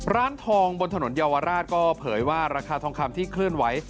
ร้านทองบนถนนเยาวราชก็เผยว่าราคาทองคำที่เคลื่อนไหว